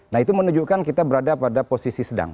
nah itu menunjukkan kita berada pada posisi sedang